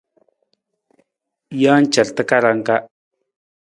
Jee car takarang ka.